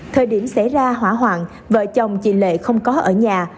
thời điểm xảy ra hỏa hoạn vợ chồng chị lệ không có ở nhà